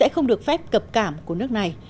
không được phép cập cảm của nước này